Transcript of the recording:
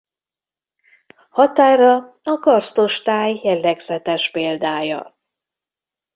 Határa a karsztos táj jellegzetes példája.